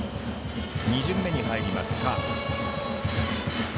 ２巡目に入ります、カープ。